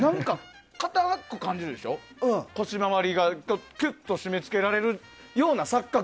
硬く感じるでしょ、腰回りがキュッと締め付けられるような錯覚。